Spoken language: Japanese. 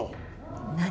何？